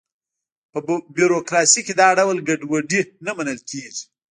په بروکراسي کې دا ډول ګډوډي نه منل کېږي.